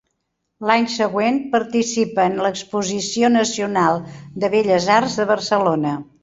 L'any següent participa en l'Exposició Nacional de Belles Arts de Barcelona.